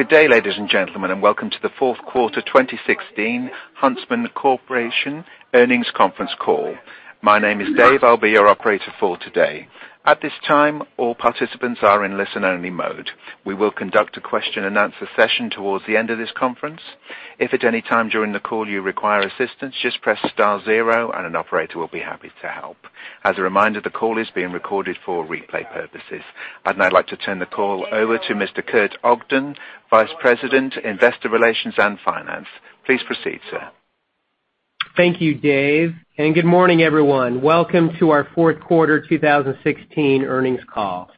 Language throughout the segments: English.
Good day, ladies and gentlemen, welcome to the fourth quarter 2016 Huntsman Corporation Earnings Conference Call. My name is Dave, I'll be your operator for today. At this time, all participants are in listen-only mode. We will conduct a question-and-answer session towards the end of this conference. If at any time during the call you require assistance, just press star zero and an operator will be happy to help. As a reminder, the call is being recorded for replay purposes. I'd now like to turn the call over to Mr. Kurt Ogden, Vice President, Investor Relations and Finance. Please proceed, sir. Thank you, Dave, good morning, everyone. Welcome to our fourth quarter 2016 earnings call.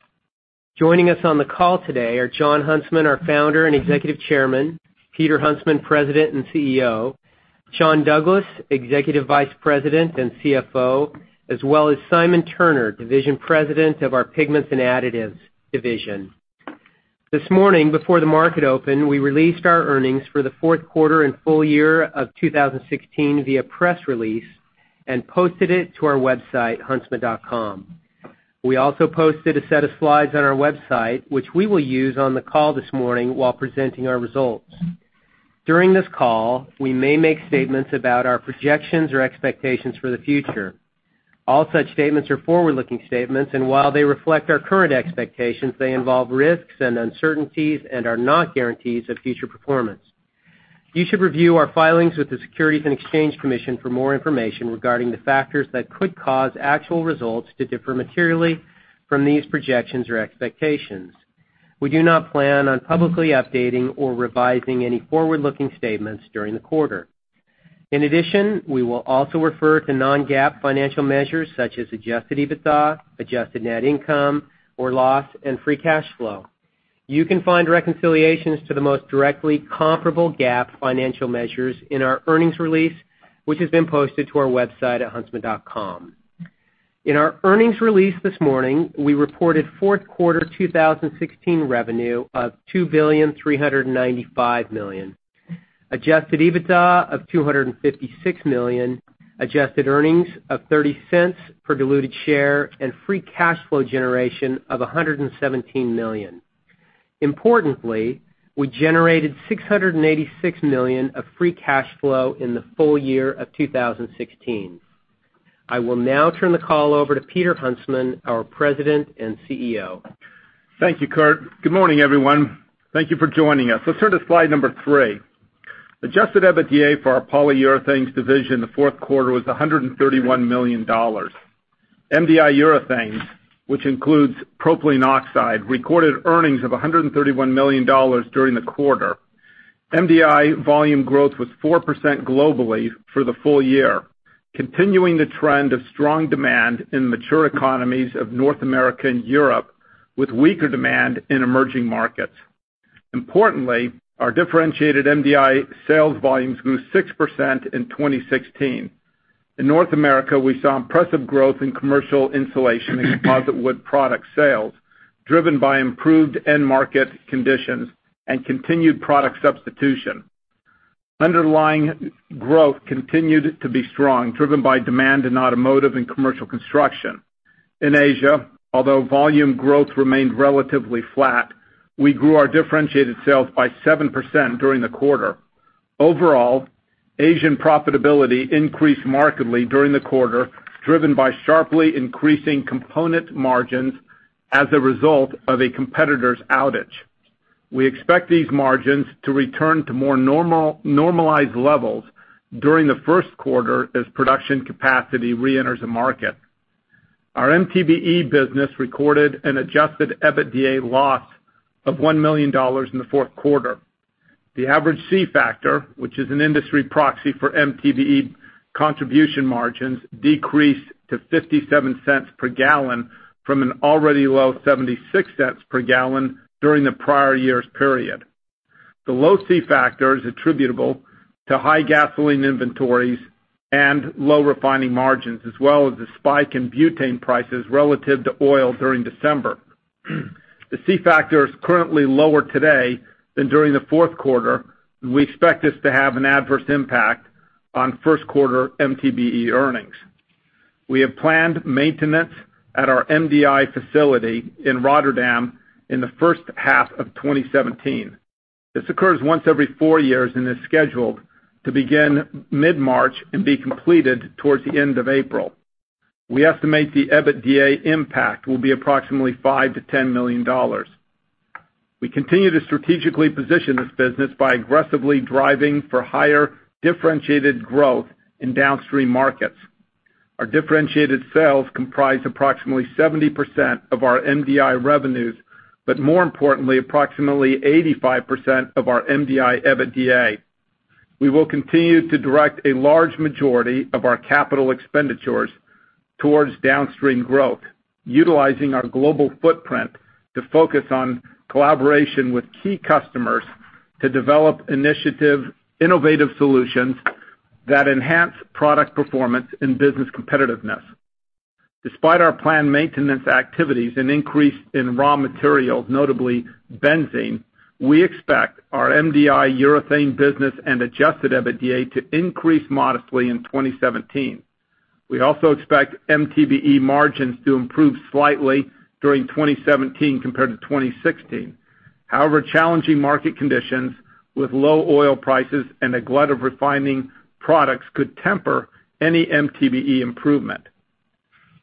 Joining us on the call today are Jon Huntsman, our Founder and Executive Chairman, Peter Huntsman, President and CEO, Sean Douglas, Executive Vice President and CFO, as well as Simon Turner, Division President of our Pigments and Additives division. This morning, before the market opened, we released our earnings for the fourth quarter and full year of 2016 via press release and posted it to our website, huntsman.com. We also posted a set of slides on our website, which we will use on the call this morning while presenting our results. During this call, we may make statements about our projections or expectations for the future. All such statements are forward-looking statements, while they reflect our current expectations, they involve risks and uncertainties and are not guarantees of future performance. You should review our filings with the Securities and Exchange Commission for more information regarding the factors that could cause actual results to differ materially from these projections or expectations. We do not plan on publicly updating or revising any forward-looking statements during the quarter. In addition, we will also refer to non-GAAP financial measures such as adjusted EBITDA, adjusted net income or loss, and free cash flow. You can find reconciliations to the most directly comparable GAAP financial measures in our earnings release, which has been posted to our website at huntsman.com. In our earnings release this morning, we reported fourth quarter 2016 revenue of $2.395 billion, adjusted EBITDA of $256 million, adjusted earnings of $0.30 per diluted share, and free cash flow generation of $117 million. Importantly, we generated $686 million of free cash flow in the full year of 2016. I will now turn the call over to Peter Huntsman, our President and CEO. Thank you, Kurt. Good morning, everyone. Thank you for joining us. Let's turn to slide number 3. Adjusted EBITDA for our Polyurethanes division in the fourth quarter was $131 million. MDI urethanes, which includes propylene oxide, recorded earnings of $131 million during the quarter. MDI volume growth was 4% globally for the full year, continuing the trend of strong demand in mature economies of North America and Europe, with weaker demand in emerging markets. Importantly, our differentiated MDI sales volumes grew 6% in 2016. In North America, we saw impressive growth in commercial insulation and composite wood product sales, driven by improved end market conditions and continued product substitution. Underlying growth continued to be strong, driven by demand in automotive and commercial construction. In Asia, although volume growth remained relatively flat, we grew our differentiated sales by 7% during the quarter. Overall, Asian profitability increased markedly during the quarter, driven by sharply increasing component margins as a result of a competitor's outage. We expect these margins to return to more normalized levels during the first quarter as production capacity reenters the market. Our MTBE business recorded an adjusted EBITDA loss of $1 million in the fourth quarter. The average C-Factor, which is an industry proxy for MTBE contribution margins, decreased to $0.57 per gallon from an already low $0.76 per gallon during the prior year's period. The low C-Factor is attributable to high gasoline inventories and low refining margins, as well as the spike in butane prices relative to oil during December. The C-Factor is currently lower today than during the fourth quarter. We expect this to have an adverse impact on first quarter MTBE earnings. We have planned maintenance at our MDI facility in Rotterdam in the first half of 2017. This occurs once every four years and is scheduled to begin mid-March and be completed towards the end of April. We estimate the EBITDA impact will be approximately $5 million-$10 million. We continue to strategically position this business by aggressively driving for higher differentiated growth in downstream markets. Our differentiated sales comprise approximately 70% of our MDI revenues, but more importantly, approximately 85% of our MDI EBITDA. We will continue to direct a large majority of our capital expenditures towards downstream growth, utilizing our global footprint to focus on collaboration with key customers to develop innovative solutions that enhance product performance and business competitiveness. Despite our planned maintenance activities and increase in raw materials, notably benzene, we expect our MDI urethane business and adjusted EBITDA to increase modestly in 2017. We also expect MTBE margins to improve slightly during 2017 compared to 2016. However, challenging market conditions with low oil prices and a glut of refining products could temper any MTBE improvement.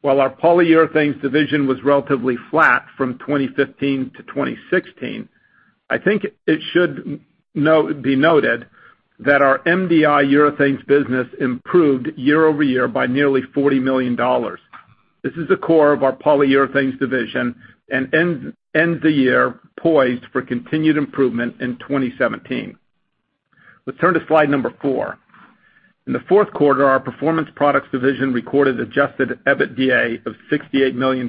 While our Polyurethanes division was relatively flat from 2015 to 2016, I think it should be noted that our MDI urethanes business improved year-over-year by nearly $40 million. This is the core of our Polyurethanes division and ends the year poised for continued improvement in 2017. Let's turn to slide number 4. In the fourth quarter, our Performance Products division recorded adjusted EBITDA of $68 million.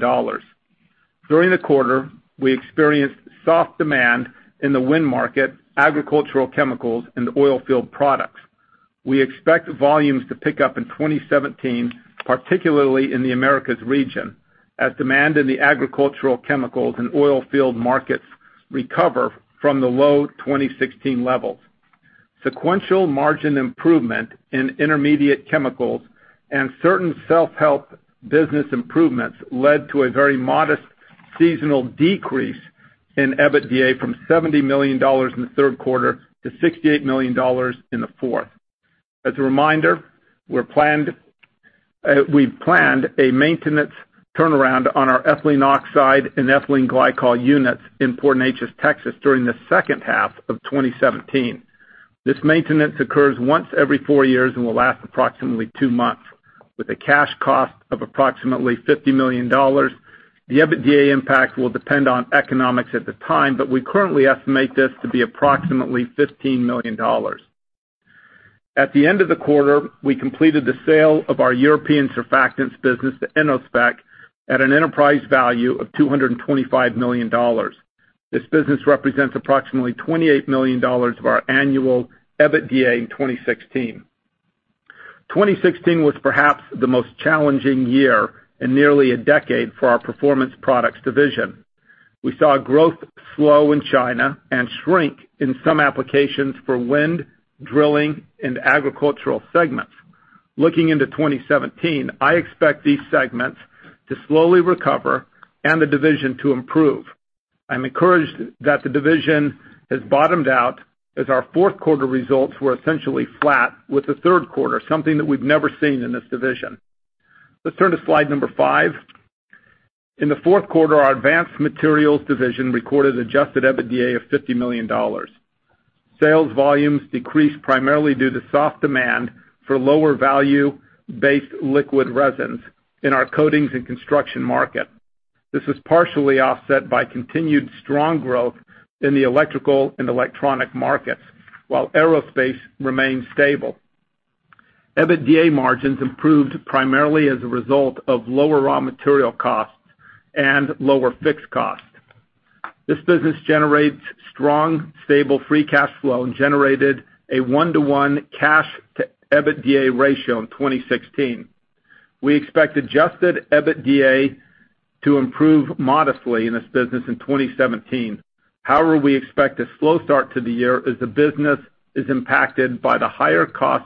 During the quarter, we experienced soft demand in the wind market, agricultural chemicals, and the oilfield products. We expect volumes to pick up in 2017, particularly in the Americas region, as demand in the agricultural chemicals and oilfield markets recover from the low 2016 levels. Sequential margin improvement in intermediate chemicals and certain self-help business improvements led to a very modest seasonal decrease in EBITDA from $70 million in the third quarter to $68 million in the fourth. As a reminder, we've planned a maintenance turnaround on our ethylene oxide and ethylene glycol units in Port Neches, Texas during the second half of 2017. This maintenance occurs once every four years and will last approximately two months with a cash cost of approximately $50 million. The EBITDA impact will depend on economics at the time, but we currently estimate this to be approximately $15 million. At the end of the quarter, we completed the sale of our European surfactants business to Innospec at an enterprise value of $225 million. This business represents approximately $28 million of our annual EBITDA in 2016. 2016 was perhaps the most challenging year in nearly a decade for our Performance Products division. We saw growth slow in China and shrink in some applications for wind, drilling, and agricultural segments. Looking into 2017, I expect these segments to slowly recover and the division to improve. I'm encouraged that the division has bottomed out as our fourth quarter results were essentially flat with the third quarter, something that we've never seen in this division. Let's turn to slide number five. In the fourth quarter, our Advanced Materials division recorded adjusted EBITDA of $50 million. Sales volumes decreased primarily due to soft demand for lower value-based liquid resins in our coatings and construction market. This was partially offset by continued strong growth in the electrical and electronic markets, while aerospace remained stable. EBITDA margins improved primarily as a result of lower raw material costs and lower fixed costs. This business generates strong, stable free cash flow and generated a one-to-one cash to EBITDA ratio in 2016. We expect adjusted EBITDA to improve modestly in this business in 2017. However, we expect a slow start to the year as the business is impacted by the higher cost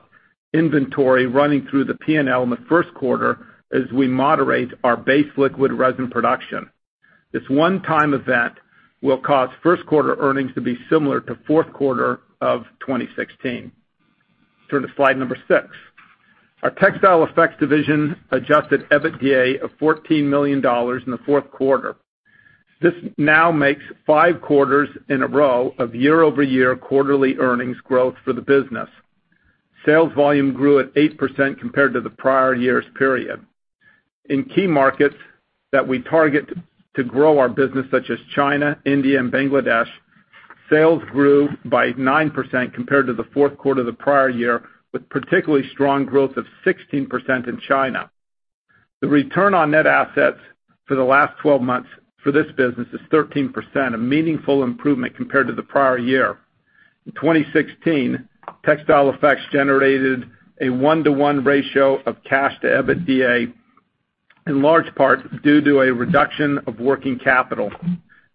inventory running through the P&L in the first quarter as we moderate our base liquid resin production. This one-time event will cause first quarter earnings to be similar to fourth quarter of 2016. Turn to slide number six. Our Textile Effects division adjusted EBITDA of $14 million in the fourth quarter. This now makes five quarters in a row of year-over-year quarterly earnings growth for the business. Sales volume grew at 8% compared to the prior year's period. In key markets that we target to grow our business, such as China, India, and Bangladesh, sales grew by 9% compared to the fourth quarter of the prior year, with particularly strong growth of 16% in China. The return on net assets for the last 12 months for this business is 13%, a meaningful improvement compared to the prior year. In 2016, Textile Effects generated a one-to-one ratio of cash to EBITDA, in large part due to a reduction of working capital.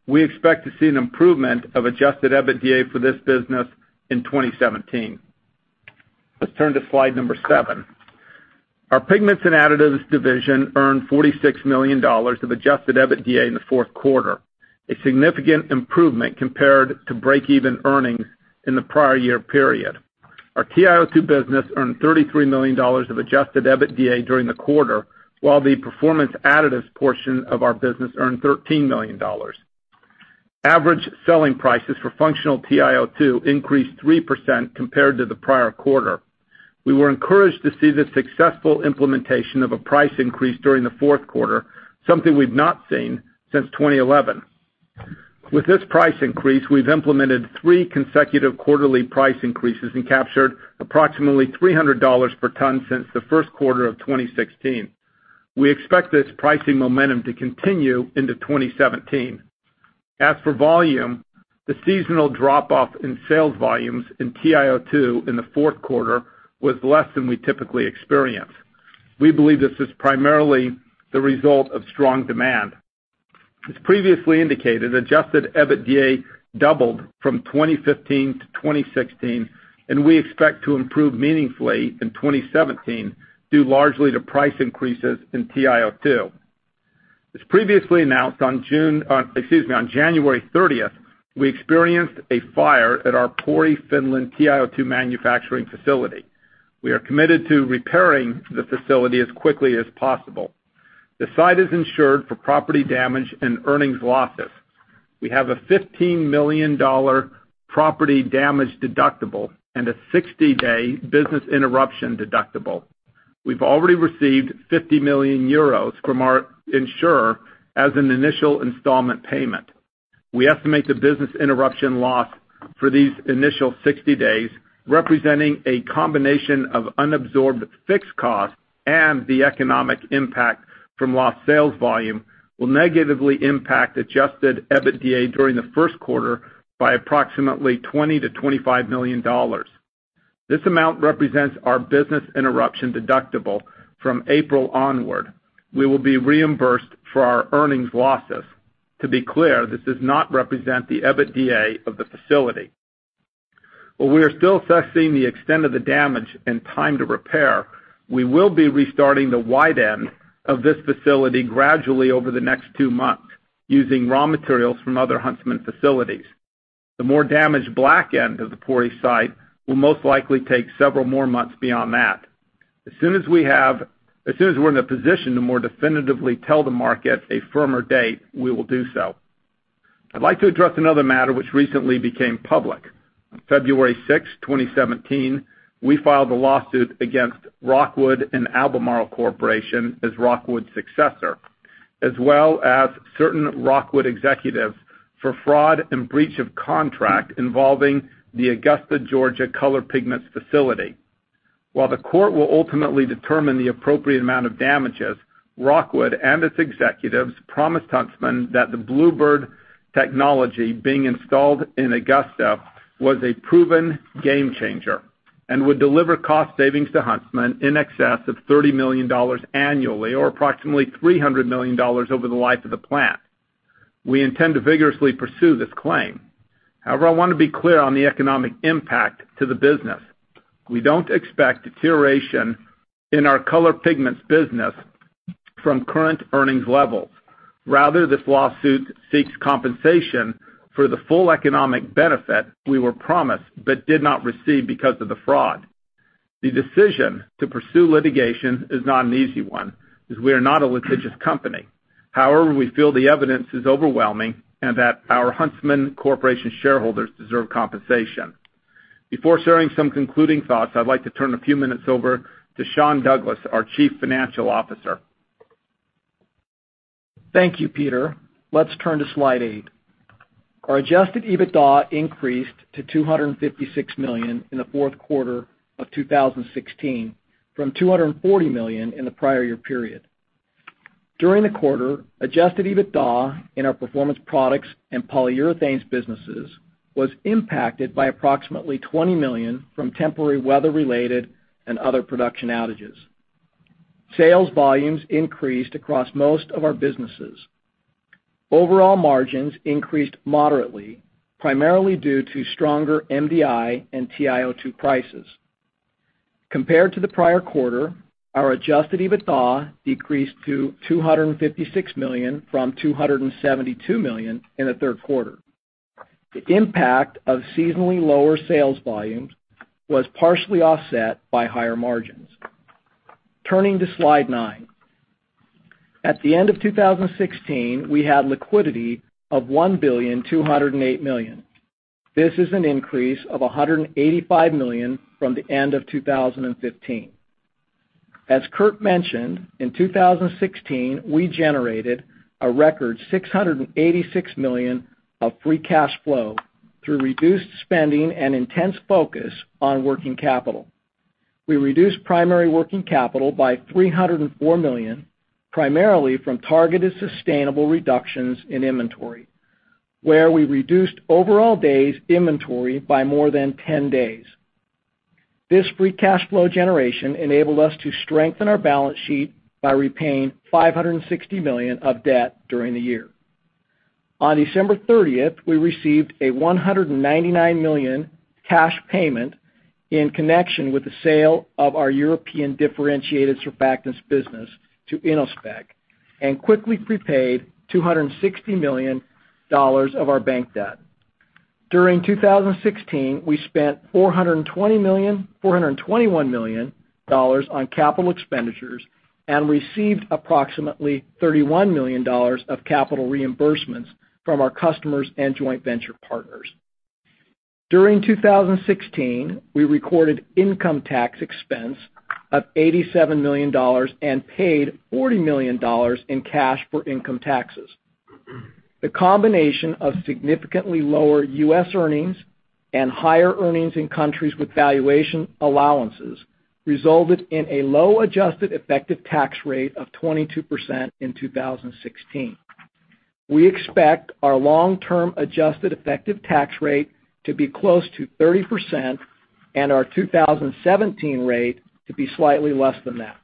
We expect to see an improvement of adjusted EBITDA for this business in 2017. Let's turn to slide number seven. Our Pigments and Additives division earned $46 million of adjusted EBITDA in the fourth quarter, a significant improvement compared to break-even earnings in the prior year period. Our TiO2 business earned $33 million of adjusted EBITDA during the quarter, while the Performance Additives portion of our business earned $13 million. Average selling prices for functional TiO2 increased 3% compared to the prior quarter. We were encouraged to see the successful implementation of a price increase during the fourth quarter, something we've not seen since 2011. With this price increase, we've implemented three consecutive quarterly price increases and captured approximately $300 per ton since the first quarter of 2016. We expect this pricing momentum to continue into 2017. As for volume, the seasonal drop-off in sales volumes in TiO2 in the fourth quarter was less than we typically experience. We believe this is primarily the result of strong demand. As previously indicated, adjusted EBITDA doubled from 2015 to 2016, and we expect to improve meaningfully in 2017, due largely to price increases in TiO2. As previously announced on January 30th, we experienced a fire at our Pori, Finland TiO2 manufacturing facility. We are committed to repairing the facility as quickly as possible. The site is insured for property damage and earnings losses. We have a $15 million property damage deductible and a 60-day business interruption deductible. We've already received €50 million from our insurer as an initial installment payment. We estimate the business interruption loss for these initial 60 days, representing a combination of unabsorbed fixed costs and the economic impact from lost sales volume, will negatively impact adjusted EBITDA during the first quarter by approximately $20 million-$25 million. This amount represents our business interruption deductible from April onward. We will be reimbursed for our earnings losses. To be clear, this does not represent the EBITDA of the facility. While we are still assessing the extent of the damage and time to repair, we will be restarting the wide end of this facility gradually over the next two months using raw materials from other Huntsman facilities. The more damaged black end of the Pori site will most likely take several more months beyond that. As soon as we're in a position to more definitively tell the market a firmer date, we will do so. I'd like to address another matter which recently became public. On February 6th, 2017, we filed a lawsuit against Rockwood and Albemarle Corporation as Rockwood's successor, as well as certain Rockwood executives for fraud and breach of contract involving the Augusta, Georgia color pigments facility. While the court will ultimately determine the appropriate amount of damages, Rockwood and its executives promised Huntsman that the Bluebird technology being installed in Augusta was a proven game changer and would deliver cost savings to Huntsman in excess of $30 million annually, or approximately $300 million over the life of the plant. We intend to vigorously pursue this claim. I want to be clear on the economic impact to the business. We don't expect deterioration in our color pigments business from current earnings levels. This lawsuit seeks compensation for the full economic benefit we were promised but did not receive because of the fraud. The decision to pursue litigation is not an easy one, as we are not a litigious company. We feel the evidence is overwhelming and that our Huntsman Corporation shareholders deserve compensation. Before sharing some concluding thoughts, I'd like to turn a few minutes over to Sean Douglas, our Chief Financial Officer. Thank you, Peter. Let's turn to slide eight. Our adjusted EBITDA increased to $256 million in the fourth quarter of 2016 from $240 million in the prior year period. During the quarter, adjusted EBITDA in our Performance Products and Polyurethanes businesses was impacted by approximately $20 million from temporary weather-related and other production outages. Sales volumes increased across most of our businesses. Overall margins increased moderately, primarily due to stronger MDI and TiO2 prices. Compared to the prior quarter, our adjusted EBITDA decreased to $256 million from $272 million in the third quarter. The impact of seasonally lower sales volumes was partially offset by higher margins. Turning to slide nine. At the end of 2016, we had liquidity of $1,208 million. This is an increase of $185 million from the end of 2015. As Kurt mentioned, in 2016, we generated a record $686 million of free cash flow through reduced spending and intense focus on working capital. We reduced primary working capital by $304 million, primarily from targeted sustainable reductions in inventory, where we reduced overall days inventory by more than 10 days. This free cash flow generation enabled us to strengthen our balance sheet by repaying $560 million of debt during the year. On December 30th, we received a $199 million cash payment in connection with the sale of our European differentiated surfactants business to Innospec and quickly prepaid $260 million of our bank debt. During 2016, we spent $421 million on capital expenditures and received approximately $31 million of capital reimbursements from our customers and joint venture partners. During 2016, we recorded income tax expense of $87 million and paid $40 million in cash for income taxes. The combination of significantly lower U.S. earnings and higher earnings in countries with valuation allowances resulted in a low adjusted effective tax rate of 22% in 2016. We expect our long-term adjusted effective tax rate to be close to 30%. Our 2017 rate to be slightly less than that.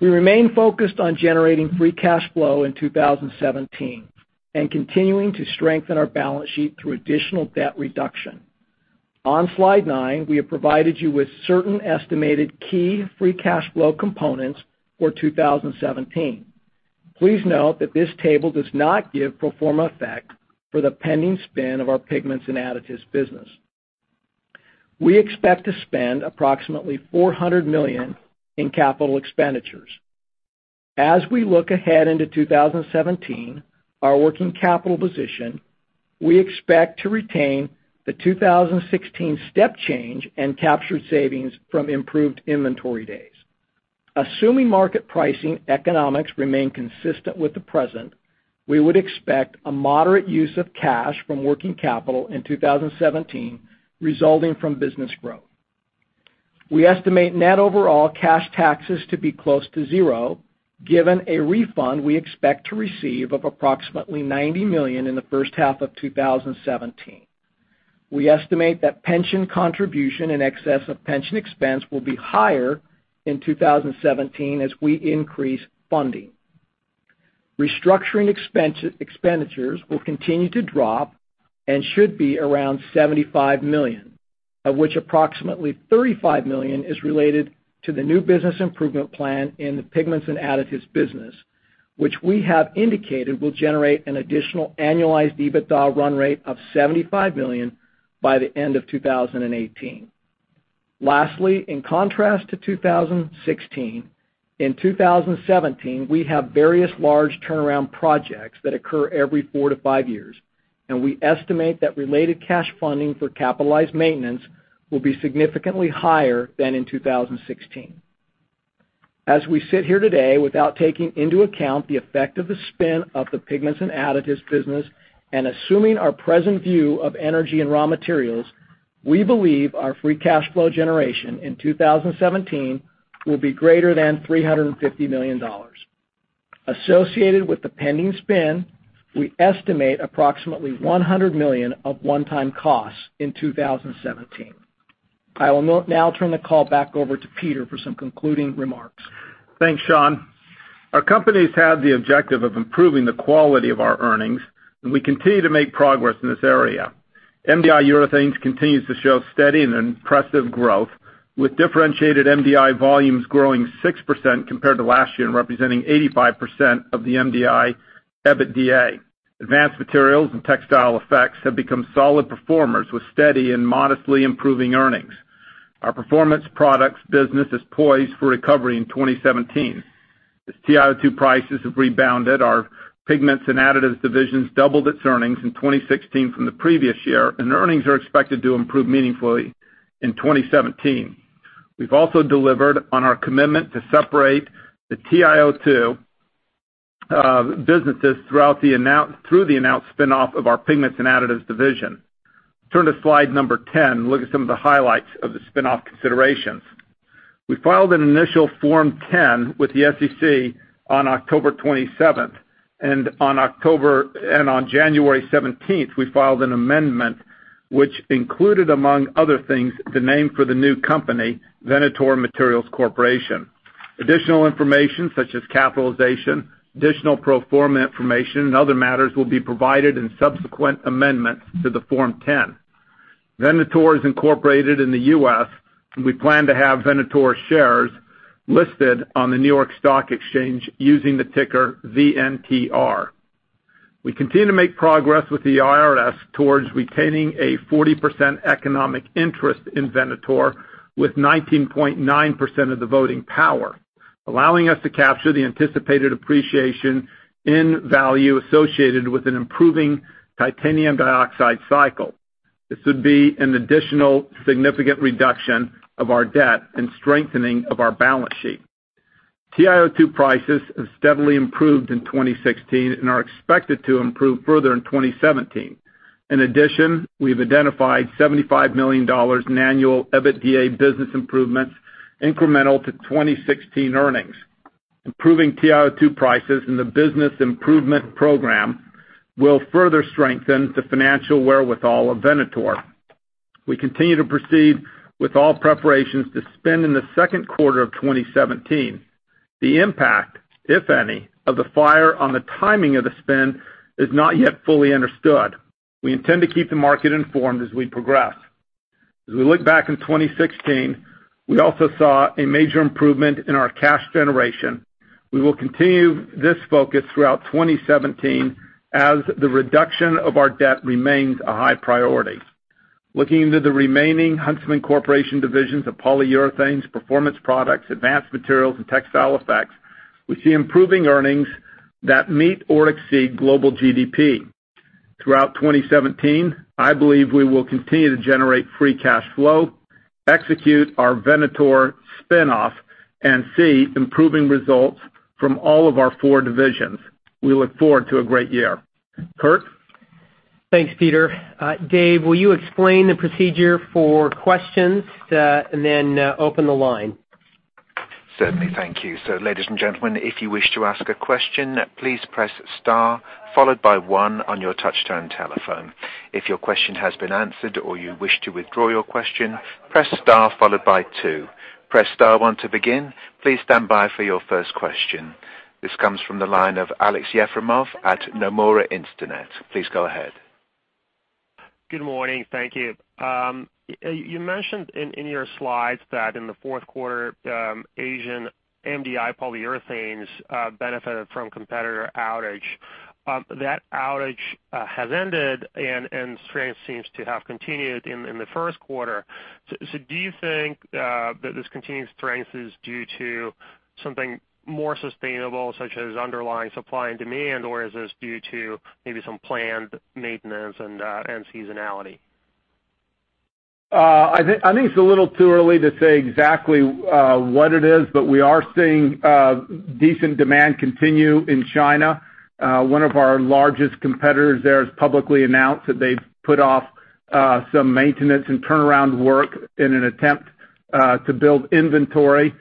We remain focused on generating free cash flow in 2017 and continuing to strengthen our balance sheet through additional debt reduction. On slide nine, we have provided you with certain estimated key free cash flow components for 2017. Please note that this table does not give pro forma effect for the pending spin of our Pigments and Additives business. We expect to spend approximately $400 million in capital expenditures. As we look ahead into 2017, our working capital position, we expect to retain the 2016 step change and captured savings from improved inventory days. Assuming market pricing economics remain consistent with the present, we would expect a moderate use of cash from working capital in 2017 resulting from business growth. We estimate net overall cash taxes to be close to zero, given a refund we expect to receive of approximately $90 million in the first half of 2017. We estimate that pension contribution in excess of pension expense will be higher in 2017 as we increase funding. Restructuring expenditures will continue to drop and should be around $75 million, of which approximately $35 million is related to the new business improvement plan in the Pigments and Additives business, which we have indicated will generate an additional annualized EBITDA run rate of $75 million by the end of 2018. In contrast to 2016, in 2017, we have various large turnaround projects that occur every four to five years, and we estimate that related cash funding for capitalized maintenance will be significantly higher than in 2016. As we sit here today, without taking into account the effect of the spin of the Pigments and Additives business and assuming our present view of energy and raw materials, we believe our free cash flow generation in 2017 will be greater than $350 million. Associated with the pending spin, we estimate approximately $100 million of one-time costs in 2017. I will now turn the call back over to Peter for some concluding remarks. Thanks, Sean. Our company's had the objective of improving the quality of our earnings, and we continue to make progress in this area. MDI urethanes continues to show steady and impressive growth, with differentiated MDI volumes growing 6% compared to last year, and representing 85% of the MDI EBITDA. Advanced Materials and Textile Effects have become solid performers with steady and modestly improving earnings. Our Performance Products business is poised for recovery in 2017. As TiO2 prices have rebounded, our Pigments and Additives divisions doubled its earnings in 2016 from the previous year, and earnings are expected to improve meaningfully in 2017. We've also delivered on our commitment to separate the TiO2 businesses through the announced spin-off of our Pigments and Additives division. Turn to slide number 10 and look at some of the highlights of the spin-off considerations. We filed an initial Form 10 with the SEC on October 27th. On January 17th, we filed an amendment which included, among other things, the name for the new company, Venator Materials PLC. Additional information such as capitalization, additional pro forma information, and other matters will be provided in subsequent amendments to the Form 10. Venator is incorporated in the U.S., and we plan to have Venator shares listed on the New York Stock Exchange using the ticker VNTR. We continue to make progress with the IRS towards retaining a 40% economic interest in Venator with 19.9% of the voting power, allowing us to capture the anticipated appreciation in value associated with an improving titanium dioxide cycle. This would be an additional significant reduction of our debt and strengthening of our balance sheet. TiO2 prices have steadily improved in 2016 and are expected to improve further in 2017. In addition, we've identified $75 million in annual EBITDA business improvements incremental to 2016 earnings. Improving TiO2 prices in the business improvement program will further strengthen the financial wherewithal of Venator. We continue to proceed with all preparations to spin in the second quarter of 2017. The impact, if any, of the fire on the timing of the spin is not yet fully understood. We intend to keep the market informed as we progress. As we look back in 2016, we also saw a major improvement in our cash generation. We will continue this focus throughout 2017 as the reduction of our debt remains a high priority. Looking into the remaining Huntsman Corporation divisions of Polyurethanes, Performance Products, Advanced Materials, and Textile Effects, we see improving earnings that meet or exceed global GDP. Throughout 2017, I believe we will continue to generate free cash flow, execute our Venator spin-off, and see improving results from all of our four divisions. We look forward to a great year. Kurt? Thanks, Peter. Dave, will you explain the procedure for questions and then open the line? Certainly. Thank you. Ladies and gentlemen, if you wish to ask a question, please press star followed by one on your touch-tone telephone. If your question has been answered or you wish to withdraw your question, press star followed by two. Press star one to begin. Please stand by for your first question. This comes from the line of Aleksey Yefremov at Nomura Instinet. Please go ahead. Good morning. Thank you. You mentioned in your slides that in the fourth quarter, Asian MDI Polyurethanes benefited from competitor outage. That outage has ended and strength seems to have continued in the first quarter. Do you think that this continued strength is due to something more sustainable, such as underlying supply and demand, or is this due to maybe some planned maintenance and seasonality? I think it's a little too early to say exactly what it is, but we are seeing decent demand continue in China. One of our largest competitors there has publicly announced that they've put off some maintenance and turnaround work in an attempt to build inventory,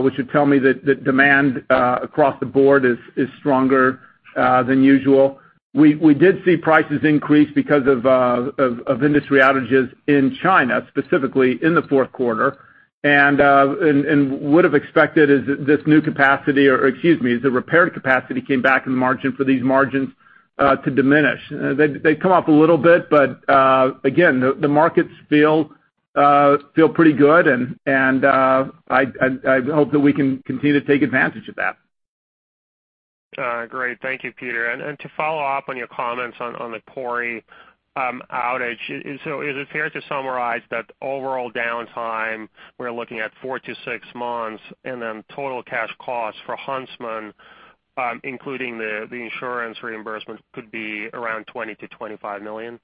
which would tell me that demand across the board is stronger than usual. We did see prices increase because of industry outages in China, specifically in the fourth quarter, and would've expected as this new capacity, as the repaired capacity came back in the margin for these margins to diminish. They've come up a little bit, but again, the markets feel pretty good, and I hope that we can continue to take advantage of that. Great. Thank you, Peter. To follow up on your comments on the Pori outage, is it fair to summarize that overall downtime, we're looking at four to six months, and then total cash costs for Huntsman, including the insurance reimbursement, could be around $20 million to $25 million?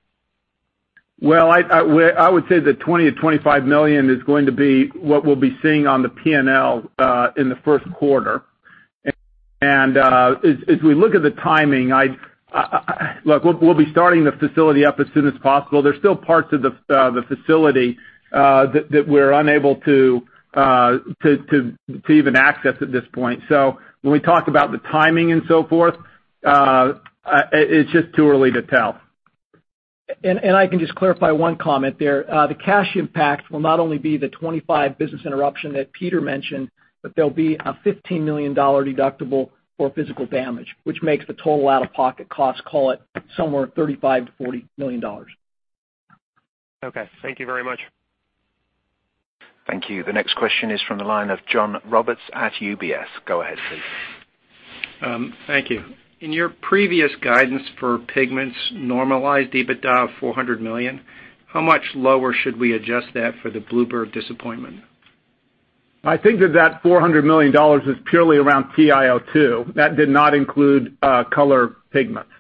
Well, I would say that $20 million to $25 million is going to be what we'll be seeing on the P&L in the first quarter. As we look at the timing, we'll be starting the facility up as soon as possible. There's still parts of the facility that we're unable to even access at this point. When we talk about the timing and so forth, it's just too early to tell. I can just clarify one comment there. The cash impact will not only be the $25 business interruption that Peter mentioned, but there'll be a $15 million deductible for physical damage, which makes the total out-of-pocket cost, call it somewhere $35 million-$40 million. Okay. Thank you very much. Thank you. The next question is from the line of John Roberts at UBS. Go ahead, please. Thank you. In your previous guidance for Pigments, normalized EBITDA of $400 million, how much lower should we adjust that for the Bluebird disappointment? I think that that $400 million is purely around TiO2. That did not include color pigments.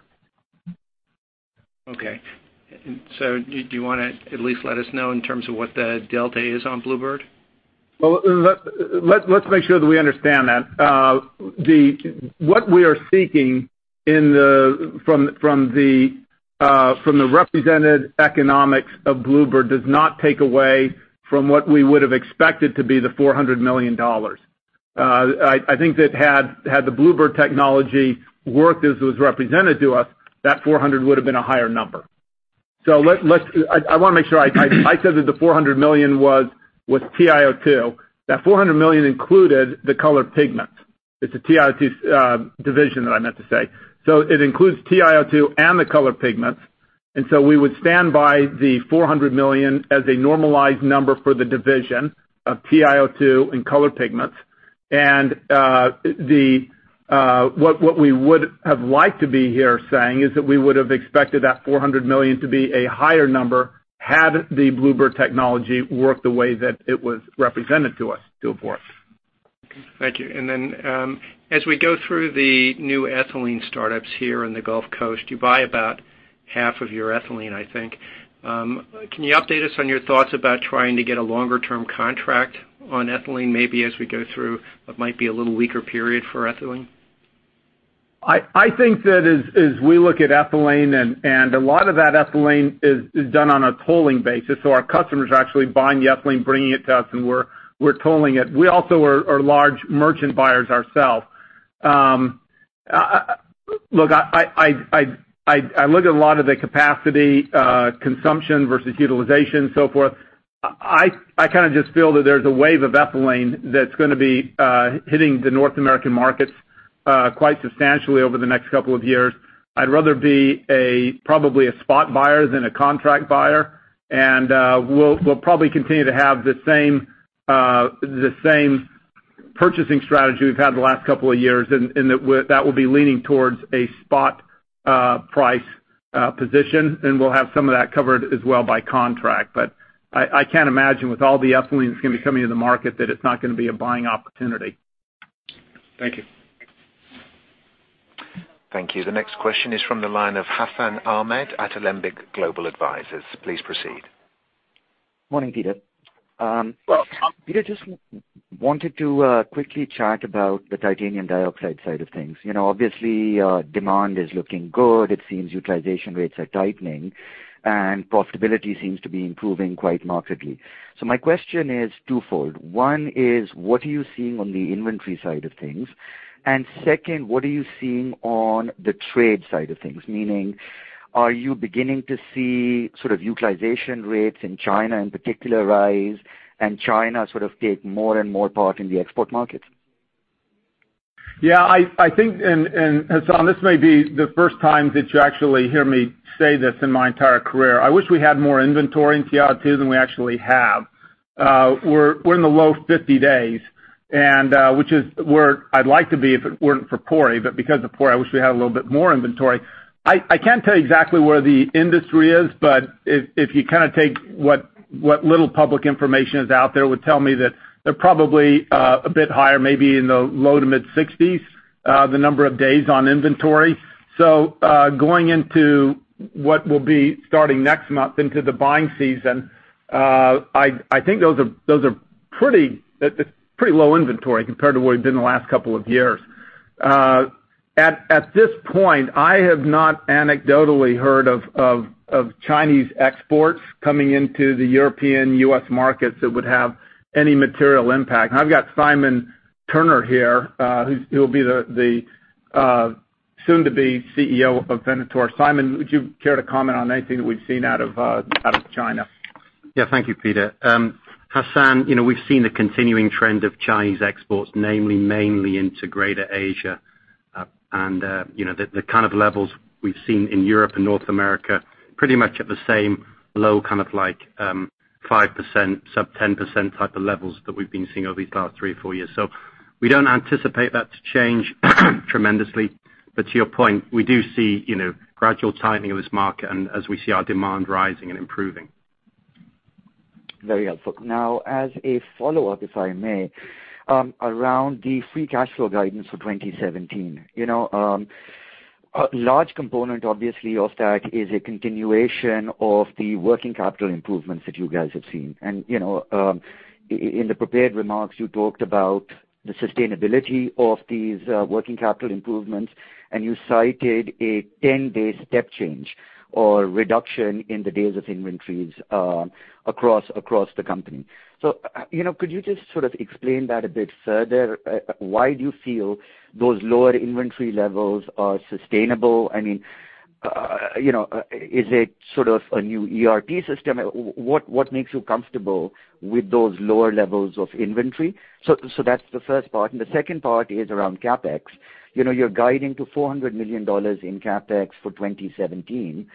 Do you want to at least let us know in terms of what the delta is on Bluebird? Well, let's make sure that we understand that. What we are seeking from the represented economics of Bluebird does not take away from what we would've expected to be the $400 million. I think that had the Bluebird technology worked as was represented to us, that 400 would've been a higher number. I want to make sure, I said that the $400 million was TiO2. That $400 million included the color pigments. It's a TiO2 division that I meant to say. It includes TiO2 and the color pigments. We would stand by the $400 million as a normalized number for the division of TiO2 and color pigments. What we would have liked to be here saying is that we would've expected that $400 million to be a higher number had the Bluebird technology worked the way that it was represented to us to afford. Thank you. As we go through the new ethylene startups here in the Gulf Coast, you buy about half of your ethylene, I think. Can you update us on your thoughts about trying to get a longer-term contract on ethylene, maybe as we go through what might be a little weaker period for ethylene? I think that as we look at ethylene, and a lot of that ethylene is done on a tolling basis, so our customers are actually buying the ethylene, bringing it to us, and we're tolling it. We also are large merchant buyers ourself. Look, I look at a lot of the capacity consumption versus utilization, so forth. I kind of just feel that there's a wave of ethylene that's going to be hitting the North American markets quite substantially over the next couple of years. I'd rather be probably a spot buyer than a contract buyer, and we'll probably continue to have the same purchasing strategy we've had the last couple of years, and that will be leaning towards a spot price position, and we'll have some of that covered as well by contract. I can't imagine with all the ethylene that's going to be coming into the market, that it's not going to be a buying opportunity. Thank you. Thank you. The next question is from the line of Hassan Ahmed at Alembic Global Advisors. Please proceed. Morning, Peter. Hello. Peter, just wanted to quickly chat about the titanium dioxide side of things. Obviously, demand is looking good. It seems utilization rates are tightening, and profitability seems to be improving quite markedly. My question is twofold. One is, what are you seeing on the inventory side of things? Second, what are you seeing on the trade side of things? Meaning, are you beginning to see utilization rates in China, in particular, rise, and China sort of take more and more part in the export markets? Yeah, I think, Hassan, this may be the first time that you actually hear me say this in my entire career. I wish we had more inventory in TiO2 than we actually have. We're in the low 50 days, which is where I'd like to be if it weren't for Pori. Because of Pori, I wish we had a little bit more inventory. I can't tell you exactly where the industry is, but if you take what little public information is out there, would tell me that they're probably a bit higher, maybe in the low to mid 60s, the number of days on inventory. Going into what will be starting next month into the buying season, I think those are pretty low inventory compared to where we've been the last couple of years. At this point, I have not anecdotally heard of Chinese exports coming into the European, U.S. markets that would have any material impact. I've got Simon Turner here, who'll be the soon to be CEO of Venator. Simon, would you care to comment on anything that we've seen out of China? Yeah, thank you, Peter. Hassan, we've seen the continuing trend of Chinese exports, namely mainly into Greater Asia. The kind of levels we've seen in Europe and North America, pretty much at the same low, kind of like 5%, sub 10% type of levels that we've been seeing over these past three or four years. We don't anticipate that to change tremendously. To your point, we do see gradual tightening of this market and as we see our demand rising and improving. Very helpful. Now, as a follow-up, if I may, around the free cash flow guidance for 2017. A large component, obviously, of that is a continuation of the working capital improvements that you guys have seen. In the prepared remarks, you talked about the sustainability of these working capital improvements, and you cited a 10-day step change or reduction in the days of inventories across the company. Could you just sort of explain that a bit further? Why do you feel those lower inventory levels are sustainable? Is it sort of a new ERP system? What makes you comfortable with those lower levels of inventory? That's the first part, and the second part is around CapEx. You're guiding to $400 million in CapEx for 2017.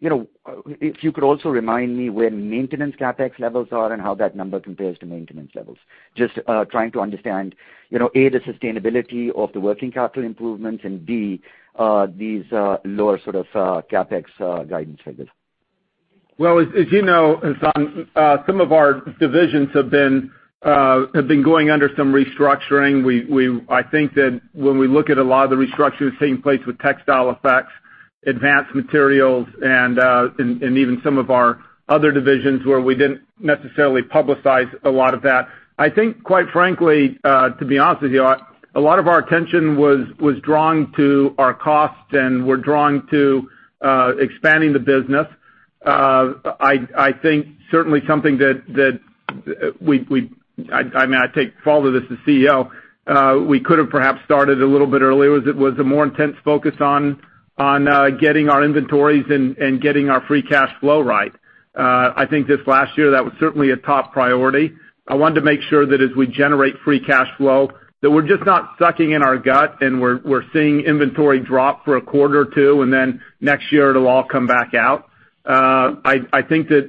If you could also remind me where maintenance CapEx levels are and how that number compares to maintenance levels. Just trying to understand, A, the sustainability of the working capital improvements and, B, these lower sort of CapEx guidance figures. Well, as you know, Hassan, some of our divisions have been going under some restructuring. I think that when we look at a lot of the restructuring that's taking place with Textile Effects, Advanced Materials, and even some of our other divisions where we didn't necessarily publicize a lot of that. I think, quite frankly, to be honest with you, a lot of our attention was drawn to our costs and were drawn to expanding the business. I think certainly something that I take fault of this as CEO, we could have perhaps started a little bit earlier, was a more intense focus on getting our inventories and getting our free cash flow right. I think this last year, that was certainly a top priority. I wanted to make sure that as we generate free cash flow, that we're just not sucking in our gut and we're seeing inventory drop for a quarter or two. Then next year it'll all come back out. I think that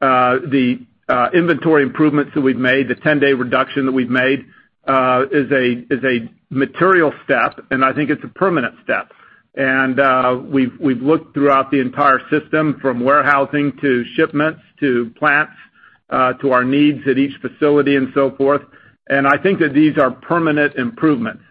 the inventory improvements that we've made, the 10-day reduction that we've made, is a material step, and I think it's a permanent step. We've looked throughout the entire system, from warehousing to shipments to plants, to our needs at each facility and so forth. I think that these are permanent improvements.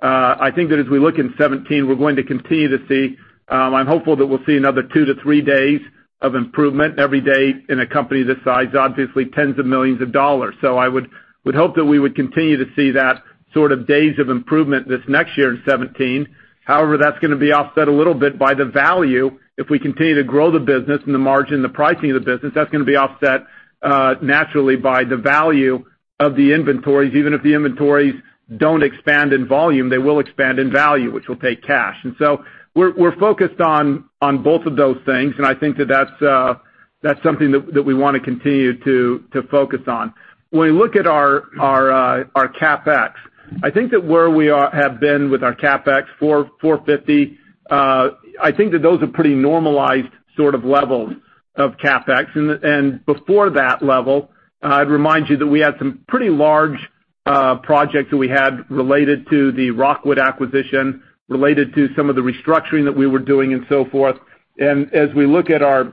I think that as we look in 2017, we're going to continue to see I'm hopeful that we'll see another 2-3 days of improvement. Every day in a company this size, obviously tens of millions of dollars. I would hope that we would continue to see that sort of days of improvement this next year in 2017. However, that's going to be offset a little bit by the value if we continue to grow the business and the margin, the pricing of the business. That's going to be offset naturally by the value of the inventories. Even if the inventories don't expand in volume, they will expand in value, which will take cash. We're focused on both of those things, I think that that's something that we want to continue to focus on. When we look at our CapEx, I think that where we have been with our CapEx, $450 million, I think that those are pretty normalized sort of levels of CapEx. Before that level, I'd remind you that we had some pretty large projects that we had related to the Rockwood acquisition, related to some of the restructuring that we were doing and so forth. As we look at our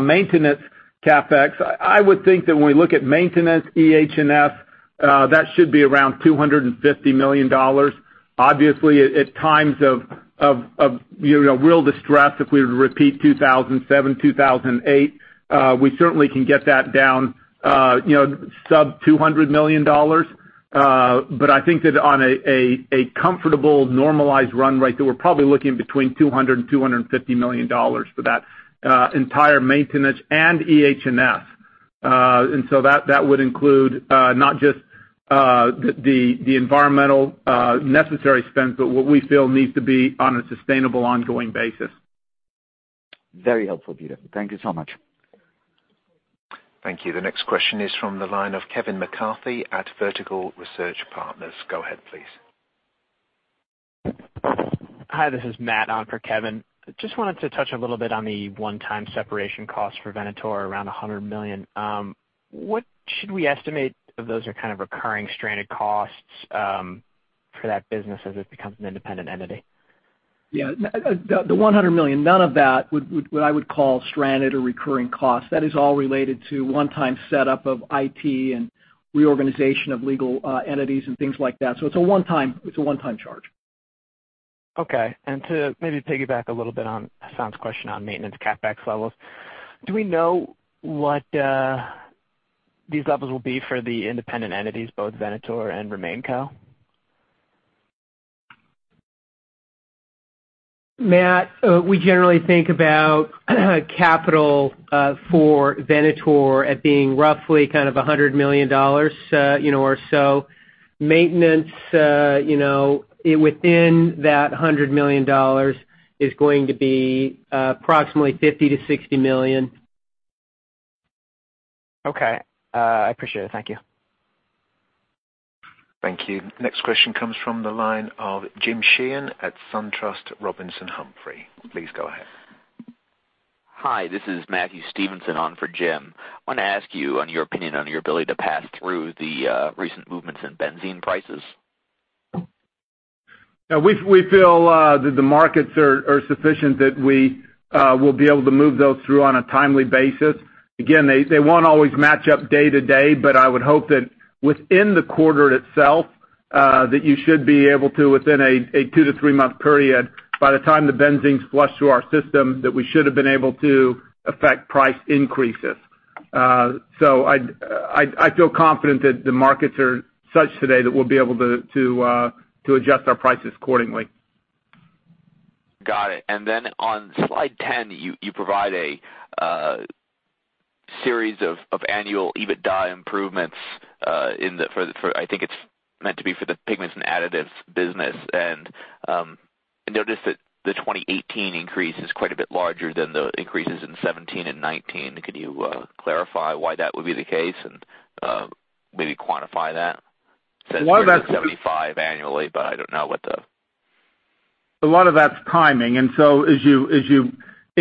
maintenance CapEx, I would think that when we look at maintenance EH&S, that should be around $250 million. Obviously, at times of real distress, if we were to repeat 2007, 2008, we certainly can get that down sub-$200 million. I think that on a comfortable, normalized run rate, that we're probably looking between $200 million and $250 million for that entire maintenance and EH&S. That would include not just the environmental necessary spends, but what we feel needs to be on a sustainable ongoing basis. Very helpful, Peter. Thank you so much. Thank you. The next question is from the line of Kevin McCarthy at Vertical Research Partners. Go ahead, please. Hi, this is Matt on for Kevin. Just wanted to touch a little bit on the one-time separation cost for Venator, around $100 million. What should we estimate of those are kind of recurring stranded costs for that business as it becomes an independent entity? Yeah. The $100 million, none of that would, I would call stranded or recurring costs. That is all related to one-time setup of IT and reorganization of legal entities and things like that. It's a one-time charge. Okay. To maybe piggyback a little bit on Hassan's question on maintenance CapEx levels, do we know what these levels will be for the independent entities, both Venator and RemainCo? Matt, we generally think about capital for Venator at being roughly kind of $100 million or so. Maintenance within that $100 million is going to be approximately $50 million to $60 million. Okay. I appreciate it. Thank you. Thank you. Next question comes from the line of James Sheehan at SunTrust Robinson Humphrey. Please go ahead. Hi, this is Matthew Stevenson on for Jim. I want to ask you on your opinion on your ability to pass through the recent movements in benzene prices. We feel that the markets are sufficient that we will be able to move those through on a timely basis. They won't always match up day to day, but I would hope that within the quarter itself, that you should be able to, within a two to three-month period, by the time the benzene's flushed through our system, that we should have been able to affect price increases. I feel confident that the markets are such today that we'll be able to adjust our prices accordingly. Got it. On slide 10, you provide a series of annual EBITDA improvements, I think it's meant to be for the Pigments and Additives business. I noticed that the 2018 increase is quite a bit larger than the increases in 2017 and 2019. Could you clarify why that would be the case and maybe quantify that? Says it's $75 annually, but I don't know what the A lot of that's timing. As you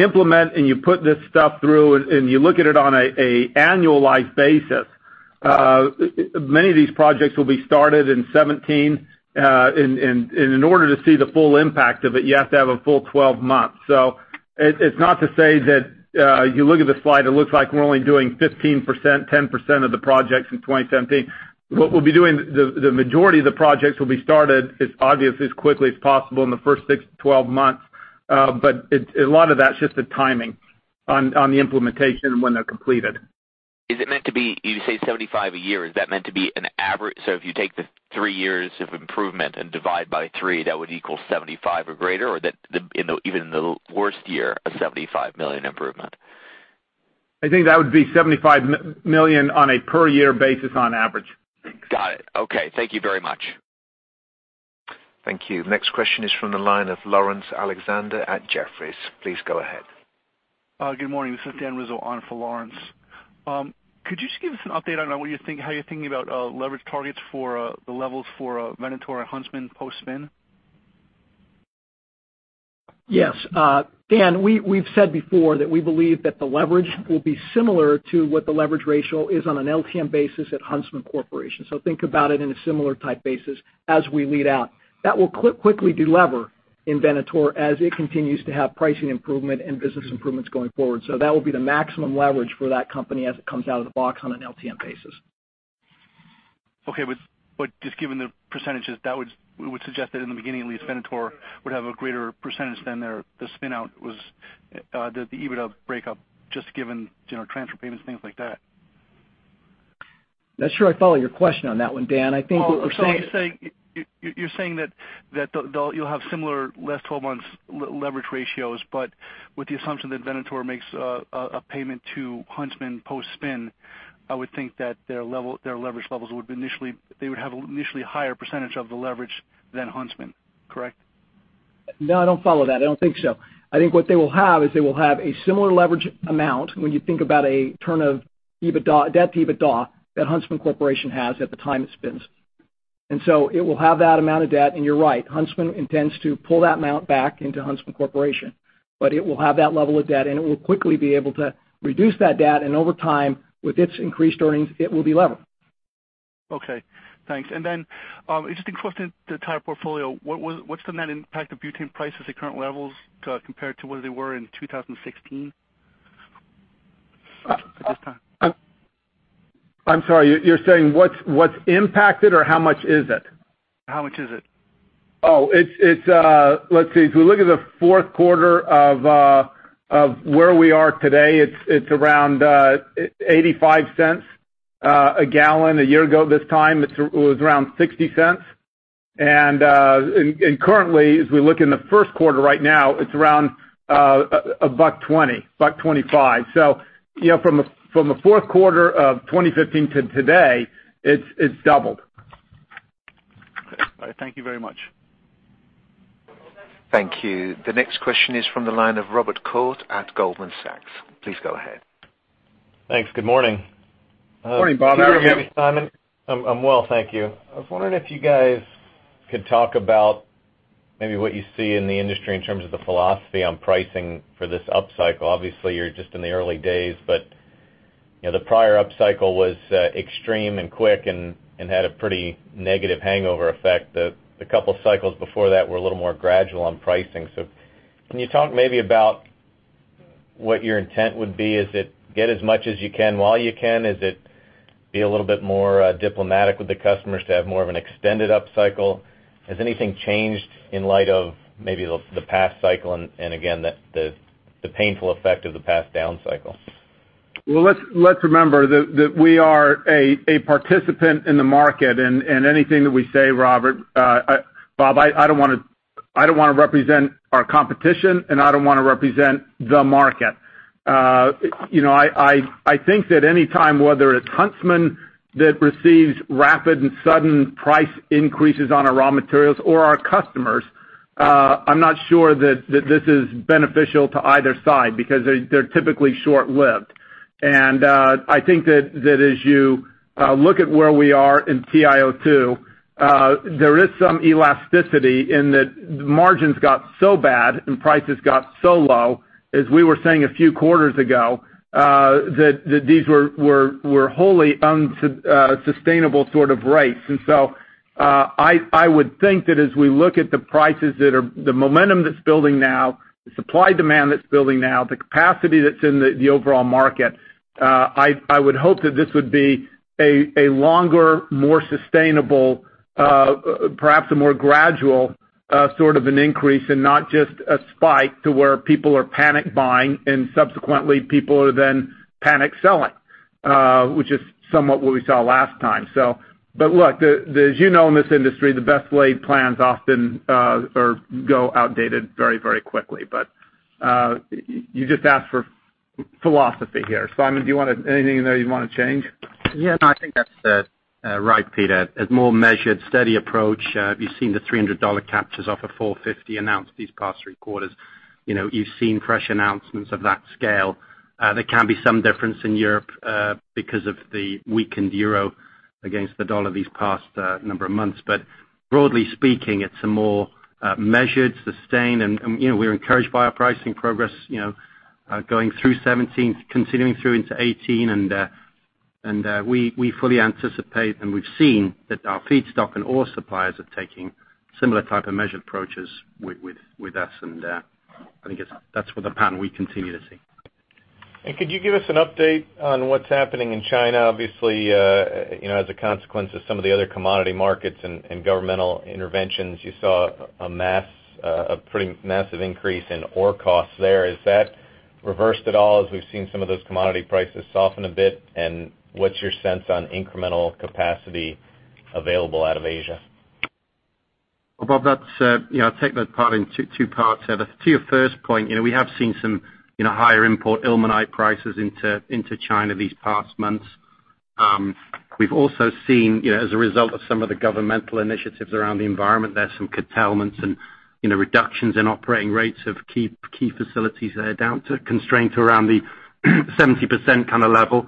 implement and you put this stuff through and you look at it on an annualized basis, many of these projects will be started in 2017. In order to see the full impact of it, you have to have a full 12 months. It's not to say that, you look at the slide, it looks like we're only doing 15%, 10% of the projects in 2017. What we'll be doing, the majority of the projects will be started, it's obvious, as quickly as possible in the first six to 12 months. A lot of that's just the timing on the implementation when they're completed. Is it meant to be You say $75 a year, is that meant to be an average? If you take the three years of improvement and divide by three, that would equal $75 or greater, or that even in the worst year, a $75 million improvement? I think that would be $75 million on a per year basis on average. Got it. Okay. Thank you very much. Thank you. Next question is from the line of Laurence Alexander at Jefferies. Please go ahead. Good morning. This is Daniel Rizzo on for Laurence. Could you just give us an update on how you're thinking about leverage targets for the levels for Venator and Huntsman post-spin? Dan, we've said before that we believe that the leverage will be similar to what the leverage ratio is on an LTM basis at Huntsman Corporation. Think about it in a similar type basis as we lead out. That will quickly delever in Venator as it continues to have pricing improvement and business improvements going forward. That will be the maximum leverage for that company as it comes out of the box on an LTM basis. Okay. Just given the percentages, that would suggest that in the beginning at least, Venator would have a greater percentage than the spin-out was, the EBITDA breakup, just given transfer payments, things like that. Not sure I follow your question on that one, Dan. I think what we're saying- You're saying that you'll have similar last 12 months leverage ratios, but with the assumption that Venator makes a payment to Huntsman post-spin, I would think that their leverage levels, they would have initially a higher percentage of the leverage than Huntsman. Correct? No, I don't follow that. I don't think so. I think what they will have is they will have a similar leverage amount when you think about a turn of debt to EBITDA that Huntsman Corporation has at the time it spins. It will have that amount of debt, and you're right. Huntsman intends to pull that amount back into Huntsman Corporation. It will have that level of debt, and it will quickly be able to reduce that debt, and over time, with its increased earnings, it will delever. Okay. Thanks. Then, just in question to the entire portfolio, what's the net impact of butane prices at current levels compared to where they were in 2016 at this time? I'm sorry, you're saying what's impacted or how much is it? How much is it? Oh, let's see. If we look at the fourth quarter of where we are today, it's around $0.85 a gallon. A year ago this time, it was around $0.60. Currently, as we look in the first quarter right now, it's around $1.20, $1.25. From the fourth quarter of 2015 to today, it's doubled. Okay. Thank you very much. Thank you. The next question is from the line of Robert Koort at Goldman Sachs. Please go ahead. Thanks. Good morning. Good morning, Bob. How are you? How are you doing, Simon? I'm well, thank you. I was wondering if you guys could talk about maybe what you see in the industry in terms of the philosophy on pricing for this up cycle. Obviously, you're just in the early days, but the prior up cycle was extreme and quick and had a pretty negative hangover effect. The couple cycles before that were a little more gradual on pricing. Can you talk maybe about what your intent would be? Is it get as much as you can while you can? Is it be a little bit more diplomatic with the customers to have more of an extended up cycle? Has anything changed in light of maybe the past cycle and, again, the painful effect of the past down cycle? Well, let's remember that we are a participant in the market, and anything that we say, Bob, I don't want to represent our competition, and I don't want to represent the market. I think that any time, whether it's Huntsman that receives rapid and sudden price increases on our raw materials or our customers, I'm not sure that this is beneficial to either side because they're typically short-lived. I think that as you look at where we are in TiO2, there is some elasticity in that margins got so bad and prices got so low, as we were saying a few quarters ago, that these were wholly unsustainable sort of rates. I would think that as we look at the momentum that's building now, the supply-demand that's building now, the capacity that's in the overall market, I would hope that this would be a longer, more sustainable, perhaps a more gradual sort of an increase and not just a spike to where people are panic buying and subsequently people are then panic selling, which is somewhat what we saw last time. Look, as you know, in this industry, the best laid plans often go outdated very quickly. You just asked for philosophy here. Simon, anything in there you'd want to change? Yes. No, I think that is right, Peter. A more measured, steady approach. We have seen the $300 captures off of $450 announced these past three quarters. You have seen fresh announcements of that scale. There can be some difference in Europe because of the weakened EUR against the dollar these past number of months. Broadly speaking, it is a more measured, sustained, and we are encouraged by our pricing progress going through 2017, continuing through into 2018. We fully anticipate, and we have seen that our feedstock and ore suppliers are taking similar type of measured approaches with us. I think that is the pattern we continue to see. Could you give us an update on what is happening in China? Obviously, as a consequence of some of the other commodity markets and governmental interventions, you saw a pretty massive increase in ore costs there. Is that reversed at all as we have seen some of those commodity prices soften a bit? What is your sense on incremental capacity available out of Asia? Well, Bob, I will take that apart in two parts. To your first point, we have seen some higher import ilmenite prices into China these past months. We have also seen, as a result of some of the governmental initiatives around the environment there, some curtailments and reductions in operating rates of key facilities there down to constraints around the 70% kind of level.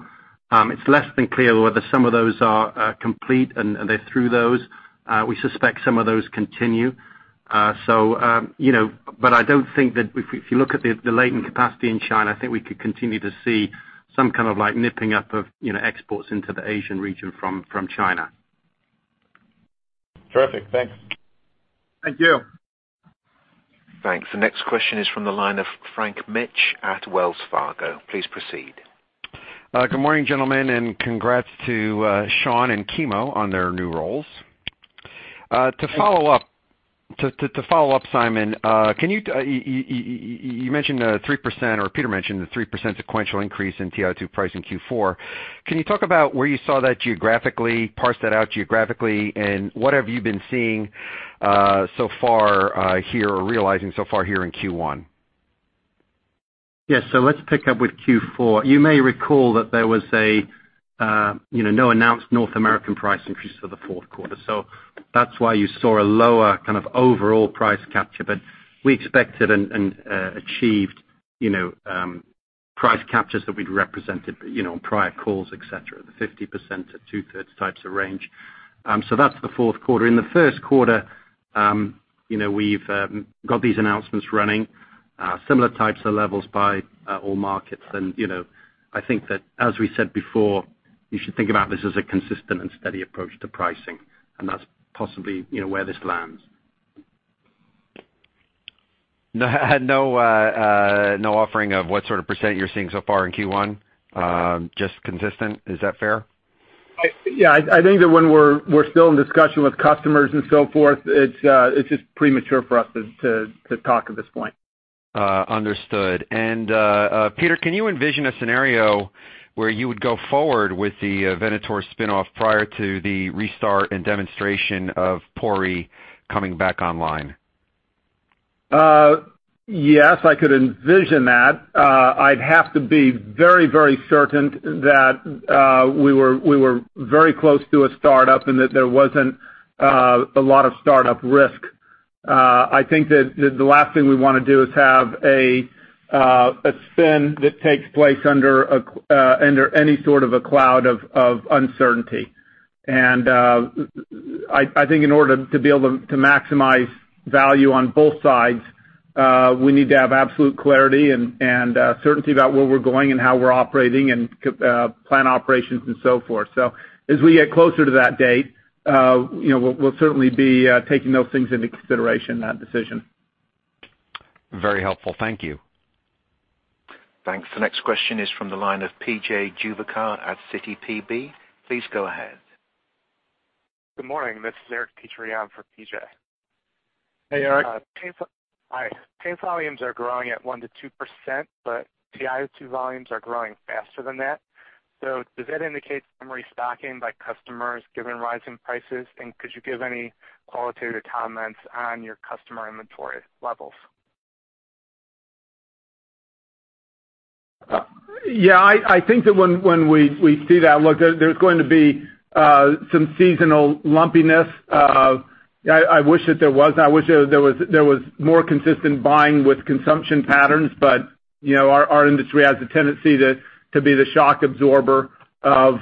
It is less than clear whether some of those are complete and they are through those. We suspect some of those continue. I do not think that if you look at the latent capacity in China, I think we could continue to see some kind of like nipping up of exports into the Asian region from China. Terrific. Thanks. Thank you. Thanks. The next question is from the line of Frank Mitsch at Wells Fargo. Please proceed. Good morning, gentlemen, and congrats to Sean and Kimo on their new roles. To follow up, Simon, you mentioned the 3%, or Peter mentioned the 3% sequential increase in TiO2 price in Q4. Can you talk about where you saw that geographically, parse that out geographically, and what have you been seeing so far here or realizing so far here in Q1? Yes. Let's pick up with Q4. You may recall that there was no announced North American price increase for the fourth quarter. That's why you saw a lower kind of overall price capture. We expected and achieved price captures that we'd represented on prior calls, et cetera, the 50% to two-thirds types of range. That's the fourth quarter. In the first quarter, we've got these announcements running similar types of levels by all markets. I think that as we said before, you should think about this as a consistent and steady approach to pricing, and that's possibly where this lands. No offering of what sort of % you're seeing so far in Q1? Just consistent. Is that fair? Yeah. I think that when we're still in discussion with customers and so forth, it's just premature for us to talk at this point. Understood. Peter, can you envision a scenario where you would go forward with the Venator spinoff prior to the restart and demonstration of Pori coming back online? Yes, I could envision that. I'd have to be very certain that we were very close to a startup and that there wasn't a lot of startup risk. I think that the last thing we want to do is have a spin that takes place under any sort of a cloud of uncertainty. I think in order to be able to maximize value on both sides, we need to have absolute clarity and certainty about where we're going and how we're operating and plan operations and so forth. As we get closer to that date, we'll certainly be taking those things into consideration in that decision. Very helpful. Thank you. Thanks. The next question is from the line of P.J. Juvekar at Citigroup. Please go ahead. Good morning. This is Eric Petrie for P.J. Hey, Eric. Hi. Paint volumes are growing at 1%-2%, TiO2 volumes are growing faster than that. Does that indicate some restocking by customers given rise in prices, could you give any qualitative comments on your customer inventory levels? Yeah, I think that when we see that look, there's going to be some seasonal lumpiness. I wish that there was more consistent buying with consumption patterns, our industry has a tendency to be the shock absorber of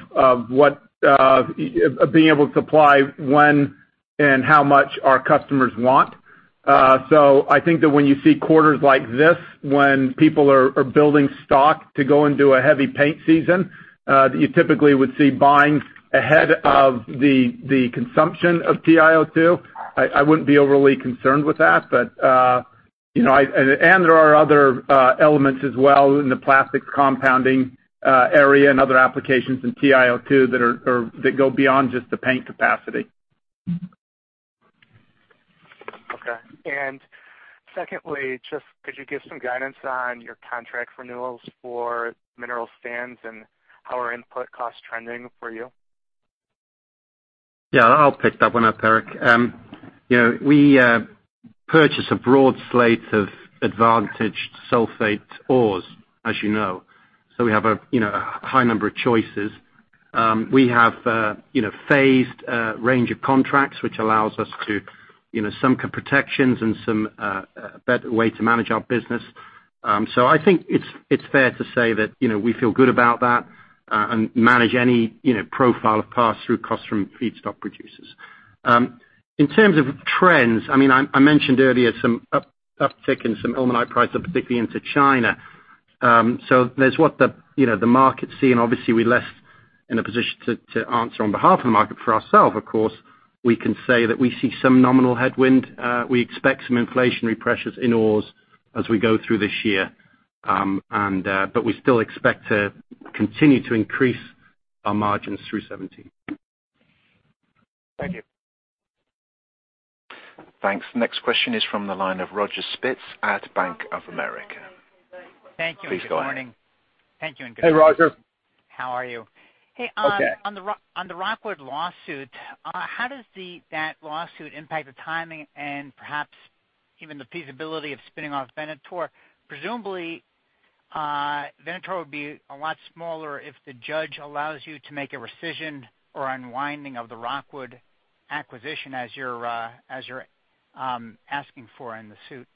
being able to supply when and how much our customers want. I think that when you see quarters like this, when people are building stock to go into a heavy paint season, that you typically would see buying ahead of the consumption of TiO2. I wouldn't be overly concerned with that. There are other elements as well in the plastic compounding area and other applications in TiO2 that go beyond just the paint capacity. Okay. Secondly, just could you give some guidance on your contract renewals for mineral sands and how are input costs trending for you? Yeah, I'll pick that one up, Eric. We purchase a broad slate of advantaged sulfate ores, as you know. We have a high number of choices. We have phased range of contracts, which allows us some protections and some better way to manage our business. I think it's fair to say that we feel good about that and manage any profile of pass-through costs from feedstock producers. In terms of trends, I mentioned earlier some uptick in some ilmenite pricing, particularly into China. There's what the market's seeing. Obviously, we're less in a position to answer on behalf of the market for ourselves. Of course, we can say that we see some nominal headwind. We expect some inflationary pressures in ores as we go through this year. We still expect to continue to increase our margins through 2017. Thank you. Thanks. Next question is from the line of Roger Spitz at Bank of America. Thank you and good morning. Hey, Roger. How are you? Okay. On the Rockwood lawsuit, how does that lawsuit impact the timing and perhaps even the feasibility of spinning off Venator? Presumably, Venator would be a lot smaller if the judge allows you to make a rescission or unwinding of the Rockwood acquisition as you're asking for in the suit.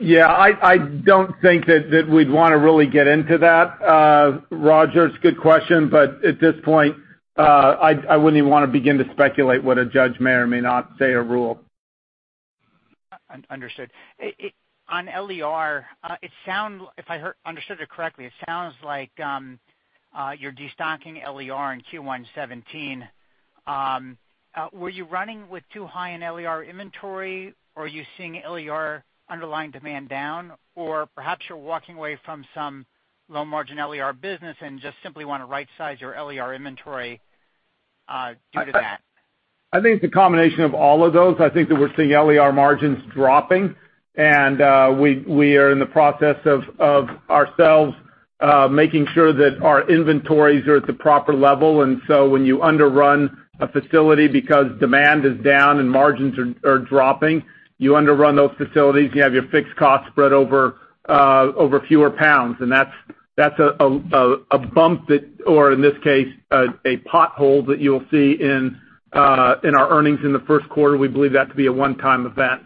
Yeah, I don't think that we'd want to really get into that, Roger. It's a good question, but at this point, I wouldn't even want to begin to speculate what a judge may or may not say or rule. Understood. On LER, if I understood it correctly, it sounds like you're destocking LER in Q1 2017. Were you running with too high an LER inventory, or are you seeing LER underlying demand down? Perhaps you're walking away from some low-margin LER business and just simply want to rightsize your LER inventory due to that. I think it's a combination of all of those. I think that we're seeing LER margins dropping, and we are in the process of ourselves making sure that our inventories are at the proper level. When you underrun a facility because demand is down and margins are dropping, you underrun those facilities, and you have your fixed cost spread over fewer pounds, that's a bump that, or in this case, a pothole that you'll see in our earnings in the first quarter. We believe that to be a one-time event.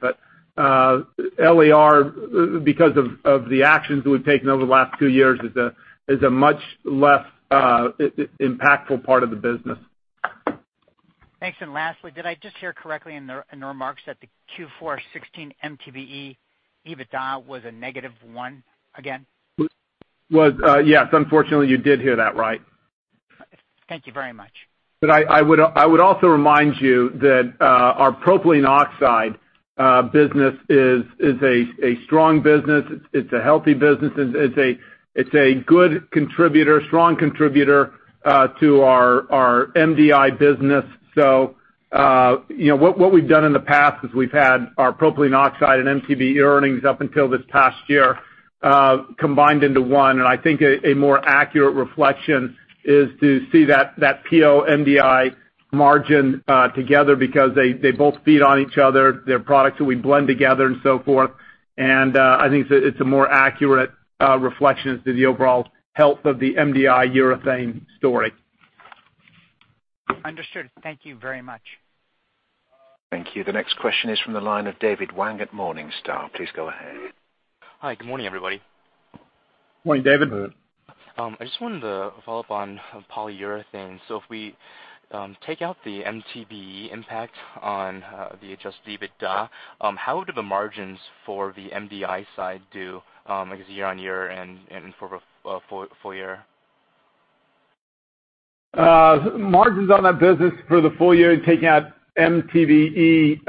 LER, because of the actions that we've taken over the last two years, is a much less impactful part of the business. Thanks. Lastly, did I just hear correctly in the remarks that the Q4 2016 MTBE EBITDA was a negative one again? Yes, unfortunately, you did hear that right. Thank you very much. I would also remind you that our propylene oxide business is a strong business. It is a healthy business. It is a good contributor, strong contributor to our MDI business. What we have done in the past is we have had our propylene oxide and MTBE earnings up until this past year combined into one. I think a more accurate reflection is to see that PO MDI margin together because they both feed on each other, they are products that we blend together and so forth. I think it is a more accurate reflection as to the overall health of the MDI urethane story. Understood. Thank you very much. Thank you. The next question is from the line of David Wang at Morningstar. Please go ahead. Hi, good morning, everybody. Morning, David. I just wanted to follow up on Polyurethanes. If we take out the MTBE impact on the adjusted EBITDA, how do the margins for the MDI side do, I guess year-over-year and for full year? Margins on that business for the full year, taking out MTBE,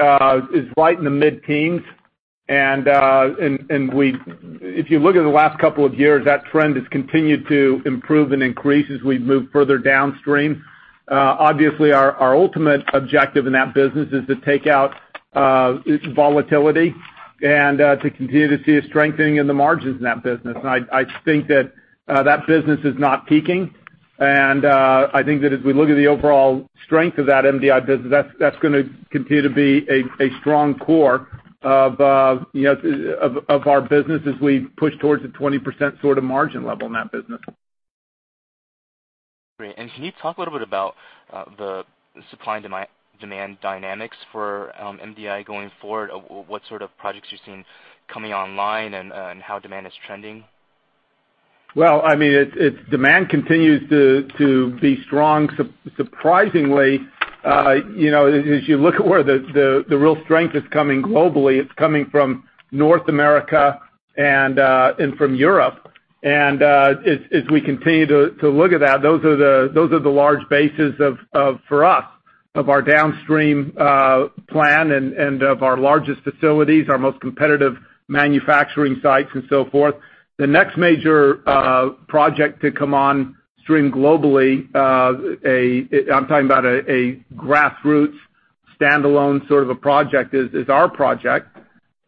is right in the mid-teens. If you look at the last couple of years, that trend has continued to improve and increase as we've moved further downstream. Obviously, our ultimate objective in that business is to take out volatility and to continue to see a strengthening in the margins in that business. I think that business is not peaking, and I think that as we look at the overall strength of that MDI business, that's going to continue to be a strong core of our business as we push towards a 20% sort of margin level in that business. Great. Can you talk a little bit about the supply and demand dynamics for MDI going forward? What sort of projects you're seeing coming online and how demand is trending? Well, demand continues to be strong. Surprisingly, as you look at where the real strength is coming globally, it's coming from North America and from Europe. As we continue to look at that, those are the large bases, for us, of our downstream plan and of our largest facilities, our most competitive manufacturing sites and so forth. The next major project to come on stream globally, I'm talking about a grassroots standalone sort of a project, is our project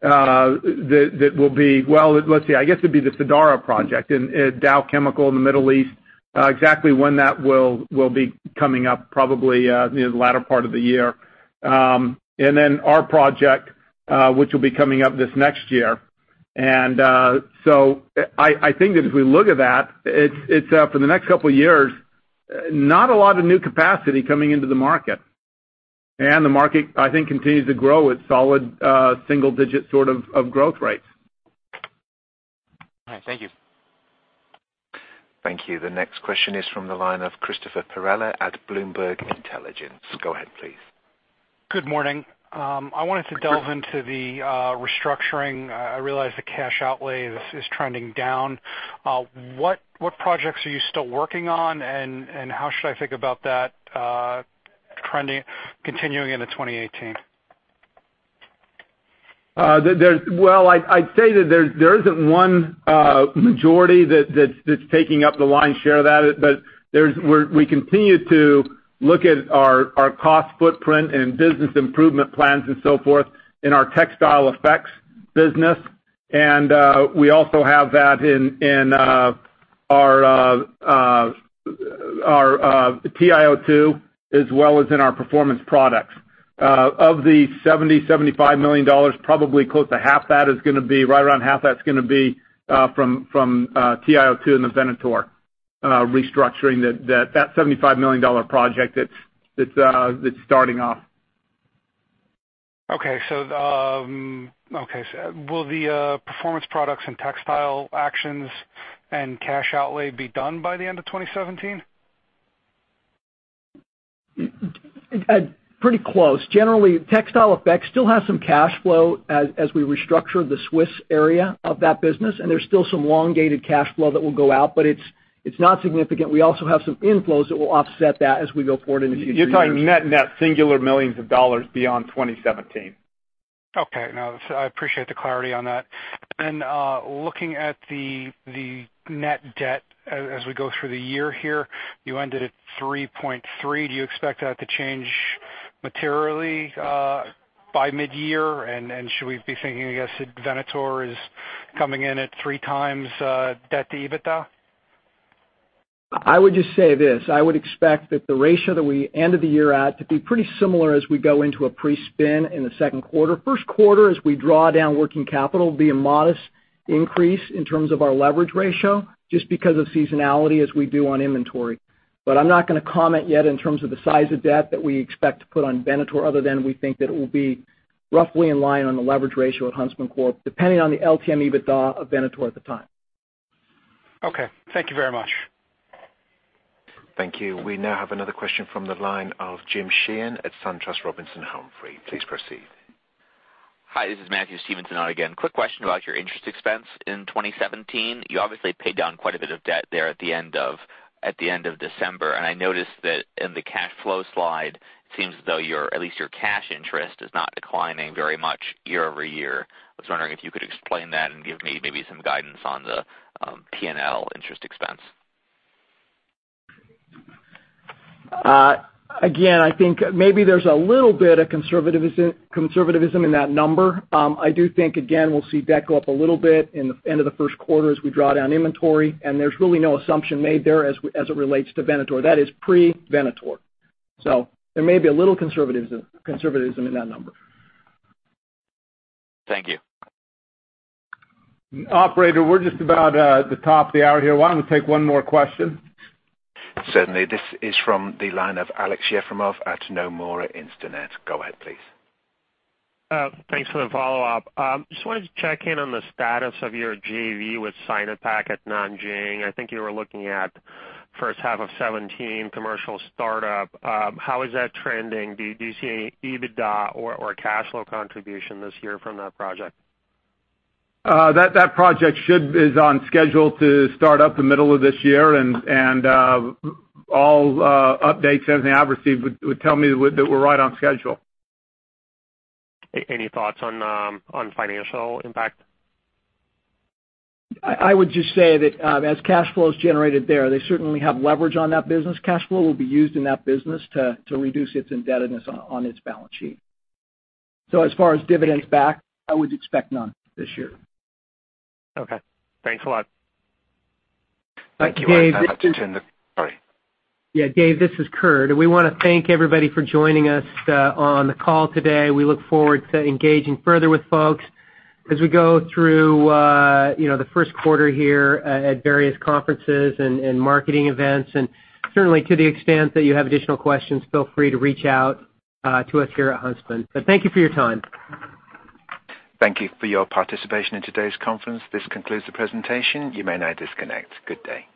that will be Well, let's see. I guess it'd be the Sadara project in Dow Chemical in the Middle East. Exactly when that will be coming up, probably the latter part of the year. Then our project, which will be coming up this next year. I think that if we look at that, it's for the next couple of years, not a lot of new capacity coming into the market. The market, I think, continues to grow at solid single digit sort of growth rates. All right. Thank you. Thank you. The next question is from the line of Christopher Perrella at Bloomberg Intelligence. Go ahead, please. Good morning. I wanted to delve into the restructuring. I realize the cash outlay is trending down. What projects are you still working on, and how should I think about that continuing into 2018? I'd say that there isn't one majority that's taking up the lion's share of that, but we continue to look at our cost footprint and business improvement plans and so forth in our Textile Effects business. We also have that in our TiO2 as well as in our Performance Products. Of the $70 million, $75 million, probably right around half that's going to be from TiO2 in the Venator restructuring. That $75 million project that's starting off. Will the Performance Products and Textile Effects actions and cash outlay be done by the end of 2017? Pretty close. Textile Effects still has some cash flow as we restructure the Swiss area of that business, and there's still some long-dated cash flow that will go out, but it's not significant. We also have some inflows that will offset that as we go forward into future years. You're talking net singular $ millions beyond 2017. I appreciate the clarity on that. Looking at the net debt as we go through the year here, you ended at 3.3. Do you expect that to change materially by mid-year? Should we be thinking, I guess, that Venator is coming in at 3x debt to EBITDA? I would just say this. I would expect that the ratio that we ended the year at to be pretty similar as we go into a pre-spin in the second quarter. First quarter, as we draw down working capital, will be a modest increase in terms of our leverage ratio, just because of seasonality as we do on inventory. I'm not going to comment yet in terms of the size of debt that we expect to put on Venator, other than we think that it will be roughly in line on the leverage ratio at Huntsman Corporation, depending on the LTM EBITDA of Venator at the time. Okay. Thank you very much. Thank you. We now have another question from the line of James Sheehan at SunTrust Robinson Humphrey. Please proceed. Hi, this is Matthew Stevenson again. Quick question about your interest expense in 2017. You obviously paid down quite a bit of debt there at the end of December, and I noticed that in the cash flow slide, it seems as though at least your cash interest is not declining very much year-over-year. I was wondering if you could explain that and give me maybe some guidance on the P&L interest expense. I think maybe there's a little bit of conservatism in that number. I do think, again, we'll see debt go up a little bit in the end of the first quarter as we draw down inventory, and there's really no assumption made there as it relates to Venator. That is pre-Venator. There may be a little conservatism in that number. Thank you. Operator, we're just about at the top of the hour here. Why don't we take one more question? Certainly. This is from the line of Aleksey Yefremov at Nomura Instinet. Go ahead, please. Thanks for the follow-up. Just wanted to check in on the status of your JV with Sinopec at Nanjing. I think you were looking at first half of 2017 commercial startup. How is that trending? Do you see EBITDA or cash flow contribution this year from that project? That project is on schedule to start up the middle of this year, all updates, everything I've received would tell me that we're right on schedule. Any thoughts on financial impact? I would just say that as cash flow is generated there, they certainly have leverage on that business. Cash flow will be used in that business to reduce its indebtedness on its balance sheet. As far as dividends back, I would expect none this year. Okay. Thanks a lot. Thank you. Thank you. Sorry. Yeah, Dave, this is Kurt. We want to thank everybody for joining us on the call today. We look forward to engaging further with folks as we go through the first quarter here at various conferences and marketing events. Certainly to the extent that you have additional questions, feel free to reach out to us here at Huntsman. Thank you for your time. Thank you for your participation in today's conference. This concludes the presentation. You may now disconnect. Good day.